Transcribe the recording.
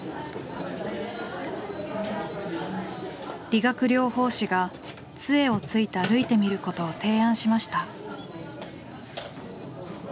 理学療法士が杖をついて歩いてみることを提案しました。